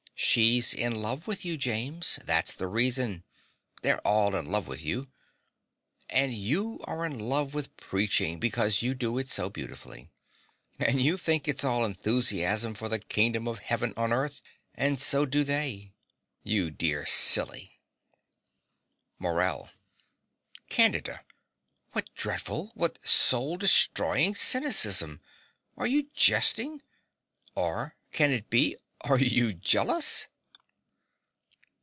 She's in love with you, James: that's the reason. They're all in love with you. And you are in love with preaching because you do it so beautifully. And you think it's all enthusiasm for the kingdom of Heaven on earth; and so do they. You dear silly! MORELL. Candida: what dreadful, what soul destroying cynicism! Are you jesting? Or can it be? are you jealous?